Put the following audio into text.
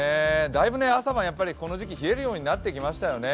だいぶ朝晩、この時期は冷えるようになってきましたよね。